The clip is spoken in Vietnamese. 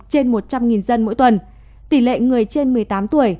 trên một trăm linh dân mỗi tuần tỷ lệ người trên một mươi tám tuổi